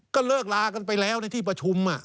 ก็เลิกลากันไปแล้วในที่ประชุม